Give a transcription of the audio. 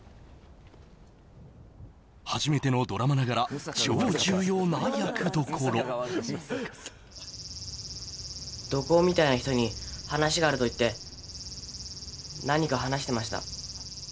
初めてのドラマながら超重要な役どころ土工みたいな人に話があると言って何か話してました